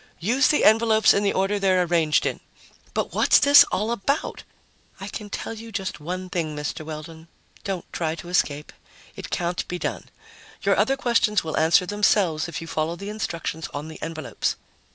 Use the envelopes in the order they're arranged in." "But what's this all about?" "I can tell you just one thing, Mr. Weldon don't try to escape. It can't be done. Your other questions will answer themselves if you follow the instructions on the envelopes."